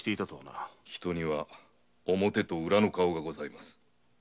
人には表と裏の顔がございます。